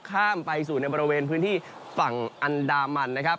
ข้ามไปสู่ในบริเวณพื้นที่ฝั่งอันดามันนะครับ